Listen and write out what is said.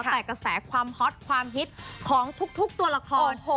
แต่กระแสความฮอตความฮิตของทุกตัวละคร